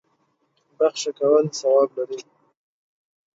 بخښه کول ثواب لري.